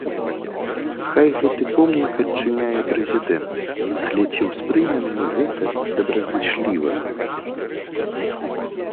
Хай гэты помнік адчыняе прэзідэнт, але ці ўспрымем мы гэта добразычліва?